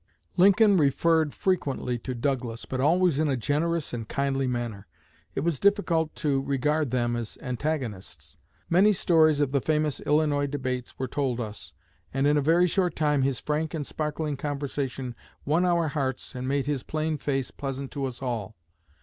Lincoln referred frequently to Douglas, but always in a generous and kindly manner. It was difficult to regard them as antagonists. Many stories of the famous Illinois debates were told us, and in a very short time his frank and sparkling conversation won our hearts and made his plain face pleasant to us all.